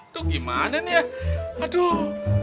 tuh gimana nih ya aduh